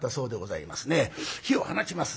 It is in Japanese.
火を放ちます。